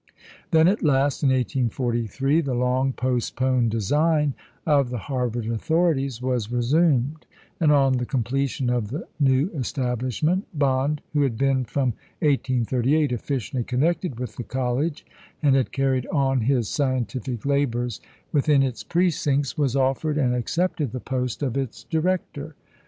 Then at last, in 1843, the long postponed design of the Harvard authorities was resumed, and on the completion of the new establishment, Bond, who had been from 1838 officially connected with the College and had carried on his scientific labours within its precincts, was offered and accepted the post of its director.